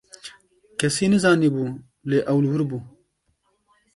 Kesî nizanîbû lê ew li wir bû.